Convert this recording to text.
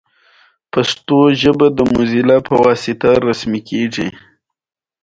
د انسان د بدن غړي داسې ځانګړتیا لري.